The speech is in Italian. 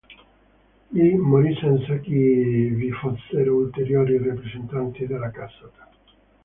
Lì morì senza che vi fossero ulteriori rappresentanti della casata.